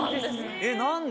えっ何で？